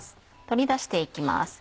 取り出して行きます。